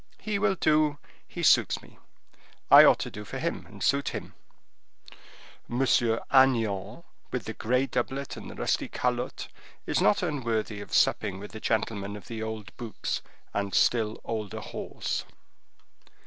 He will do, he suits me; I ought to do for him and suit him; M. Agnan, with the gray doublet and the rusty calotte, is not unworthy of supping with the gentleman of the old boots and still older horse."